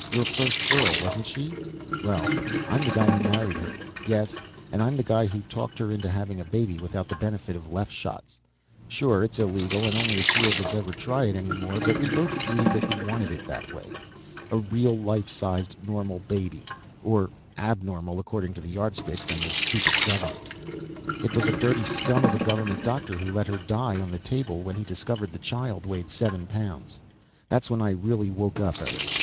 Your first girl, wasn't she? Well, I'm the guy who married her. Yes, and I'm the guy who talked her into having a baby without the benefit of Leff shots. Sure, it's illegal, and only a few of us ever try it any more, but we both agreed that we wanted it that way. A real, life sized, normal baby. Or abnormal, according to the Yardsticks and the stupid government. "It was a dirty scum of a government doctor who let her die on the table when he discovered the child weighed seven pounds. That's when I really woke up, Eric.